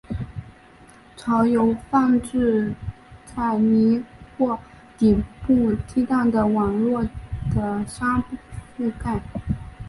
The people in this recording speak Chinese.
巢由放置在泥或底部鸡蛋的网络的沙覆盖。